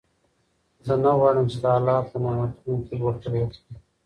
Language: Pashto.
زه نه غواړم چې د الله په نعمتونو کې بخل وکړم.